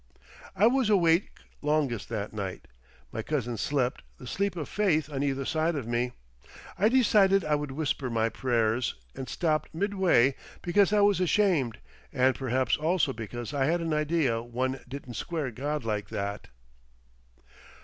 I was awake longest that night. My cousins slept, the sleep of faith on either side of me. I decided I would whisper my prayers, and stopped midway because I was ashamed, and perhaps also because I had an idea one didn't square God like that.